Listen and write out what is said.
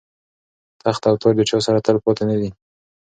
تخت او تاج د چا سره تل پاتې نه دی.